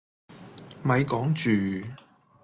咪講住